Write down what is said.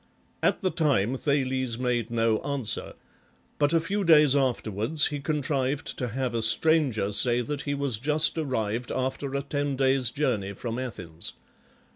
At the time Thales made no answer, but a few days afterwards he contrived to have a stranger say that he was just arrived after a ten days' journey from Athens.